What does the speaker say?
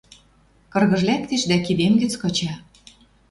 Кыргыж лӓктеш дӓ кидем гӹц кыча